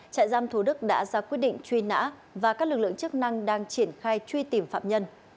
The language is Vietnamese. trại giam thủ đức đã ra quyết định truy nã và các lực lượng chức năng đang triển khai truy tìm phạm nhân